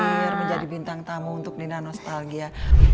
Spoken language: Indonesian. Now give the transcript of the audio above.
hadir menjadi bintang tamu untuk nina nostalgia